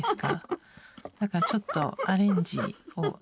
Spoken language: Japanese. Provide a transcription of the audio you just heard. だからちょっとアレンジを。